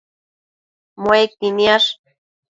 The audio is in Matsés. Muequi niash